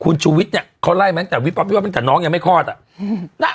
คุณชูวิชเนี้ยเขาไล่มั้งแต่วิบัติว่าวันนั้นแต่น้องยังไม่คลอดอ่ะฮือ